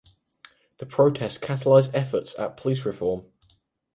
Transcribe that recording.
The protests catalyzed efforts at police reform.